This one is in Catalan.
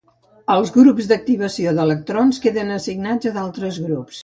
Els grups activació d'electrons queden assignats a d'altres grups.